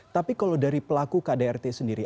tapi kalau dari pelaku kdrt sendiri